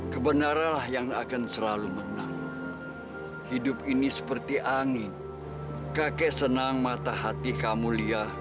kebenaranlah yang akan selalu menang hidup ini seperti angin kakek senang mata hati kamu lihat